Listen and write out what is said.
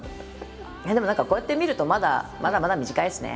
いやでも何かこうやって見るとまだまだ短いですね